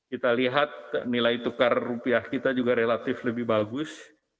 kita lihat nilai tukar rupiah kita juga relatif lebih bagus